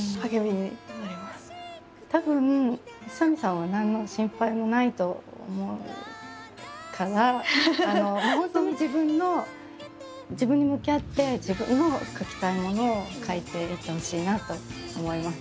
たぶん宇佐見さんは何の心配もないと思うからもう本当に自分の自分に向き合って自分の書きたいものを書いていってほしいなと思います。